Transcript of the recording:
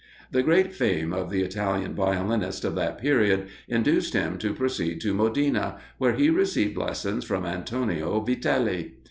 The great fame of the Italian violinists of that period induced him to proceed to Modena, where he received lessons from Antonio Vitali.